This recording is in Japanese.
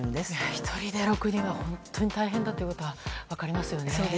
１人で６人は本当に大変だということは分かりますよね。